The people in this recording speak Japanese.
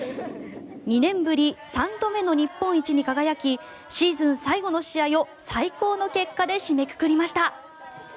２年ぶり３度目の日本一に輝きシーズン最後の試合を最高の結果で締めくくりました。